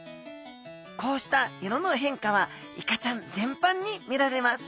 こうした色の変化はイカちゃんぜんぱんに見られます。